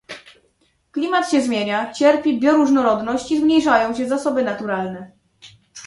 Klimat się zmienia, cierpi bioróżnorodność i zmniejszają się zasoby naturalne